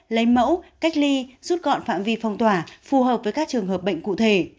lấy mẫu cách ly rút gọn phạm vi phong tỏa phù hợp với các trường hợp bệnh cụ thể